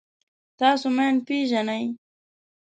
تاسو ماین پېژنئ.